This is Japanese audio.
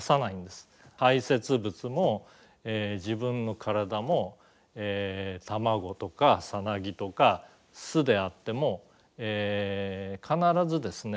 排せつ物も自分の体も卵とかサナギとか巣であっても必ずですね